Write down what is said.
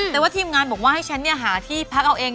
แต่ว่าทีมงานบอกว่าให้ฉันหาที่พักเอาเอง